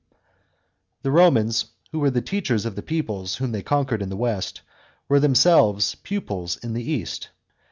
§ 1. THE Romans, who were the teachers of the peoples whom they conquered in the West, were themselves pupils in the East.